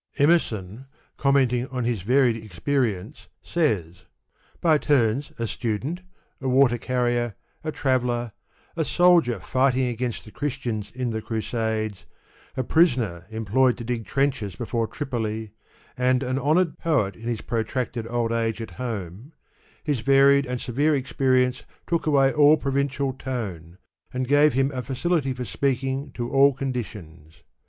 Emerson, comment ing on hb varied experience, sa3rs :^ By turns, a student, a water carrier, a traveller, a soldier fighting against the Chris tians in the Crusades, a prisoner employed to dig trenches before Tripoli, and an honored poet in his protracted old age at home, — his varied and severe experience took away all provincial tone, and gave him a facility of speaking to all conditions.